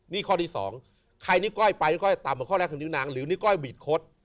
นี่ข้อที่สองใครนิก้อยไปนี่ก้อยต่ำกว่าข้อแรกคือนิ้วนางหรือนิ้ก้อยบีดคด